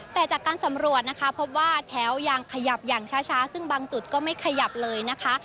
แต่จากการสำรวจนะคะพบว่าแถวยังขยับอย่างช้าซึ่งบางจุดก็ไม่ขยับเลยนะคะ